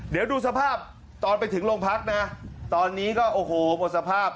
เดี๋ยวดูสภาพตอนไปถึงโรงพักนะตอนนี้ก็โอ้โหหมดสภาพ